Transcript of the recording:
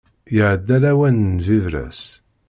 Iɛedda lawan n bibras.